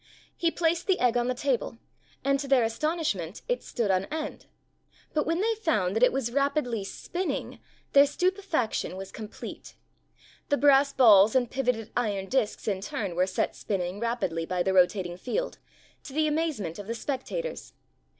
He placed the egg on the table and, to their as tonishment, it stood on end, but when they found that it was rapidly spinning their stupefaction was complete. The brass balls and pivoted iron discs in turn were set spin ning rapidly by the rotating field, to the amazement of the spectators.